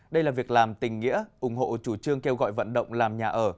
đây là việc làm tình nghĩa ủng hộ chủ trương kêu gọi vận động làm nhà ở